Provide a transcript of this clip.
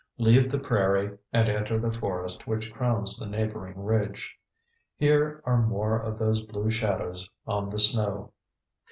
"_ Leave the prairie and enter the forest which crowns the neighboring ridge. Here are more of those blue shadows on the snow.